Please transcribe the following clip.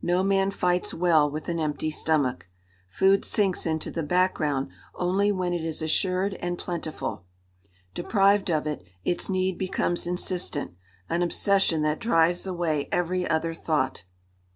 No man fights well with an empty stomach. Food sinks into the background only when it is assured and plentiful. Deprived of it, its need becomes insistent, an obsession that drives away every other thought.